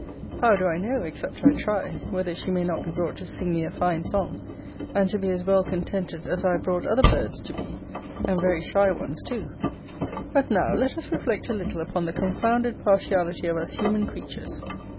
How do I know, except I try, whether she may not be brought to sing me a fine song, and to be as well contented as I have brought other birds to be, and very shy ones too? But now let us reflect a little upon the confounded partiality of us human creatures.